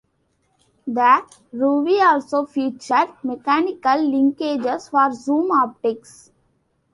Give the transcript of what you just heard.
The Ruvi also featured mechanical linkages for zoom optics.